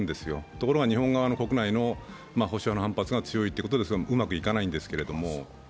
ところが日本側の国内の保守派の反発が強いということでそれがうまくいかないんですが。